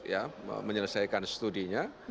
ya menyelesaikan studinya